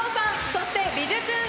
そして「びじゅチューン！」